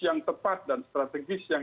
yang tepat dan strategis yang